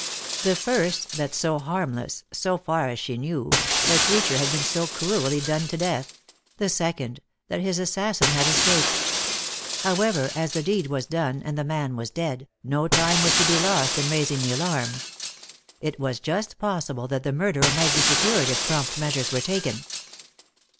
The first, that so harmless so far as she knew a creature had been so cruelly done to death; the second, that his assassin had escaped. However, as the deed was done, and the man was dead, no time was to be lost in raising the alarm. It was just possible that the murderer might be secured if prompt measures were taken.